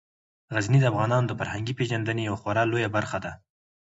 غزني د افغانانو د فرهنګي پیژندنې یوه خورا لویه برخه ده.